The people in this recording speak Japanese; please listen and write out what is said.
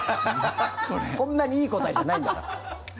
そんなにいい答えじゃないんだから。